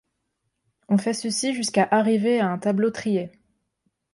On fait ceci jusqu'à arriver à un tableau trié.